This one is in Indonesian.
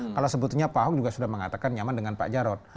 kalau sebetulnya pak ahok juga sudah mengatakan nyaman dengan pak jarod